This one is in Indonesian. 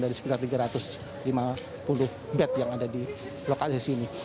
dari sekitar tiga ratus lima puluh bed yang ada di lokasi sini